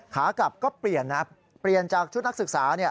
ขากลับก็เปลี่ยนนะเปลี่ยนจากชุดนักศึกษา